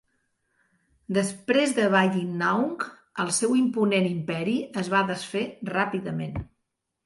Després de Bayinnaung, el seu imponent imperi es fa desfer ràpidament.